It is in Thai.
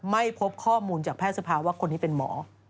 ไม่พบข้อมูลจากแพทย์สภาวะคนนี้เป็นหมอ